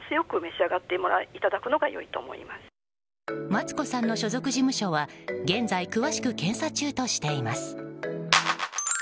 マツコさんの所属事務所は現在、詳しく検査中としています。